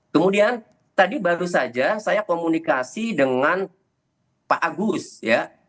kemudian tadi baru saja saya komunikasi dengan pak agus ya